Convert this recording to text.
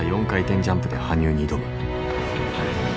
４回転ジャンプで羽生に挑む。